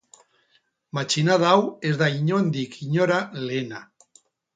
Matxinada hau ez da inondik inora lehena.